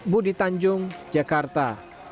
budi tanjung jakarta